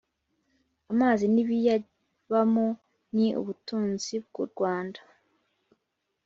amazi n'ibiyabamo ni ubutunzi bw’u rwanda